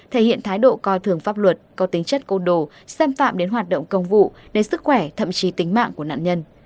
thể hiện thái độ coi thường pháp luật có tính chất côn đồ xâm phạm đến hoạt động công vụ đến sức khỏe thậm chí tính mạng của nạn nhân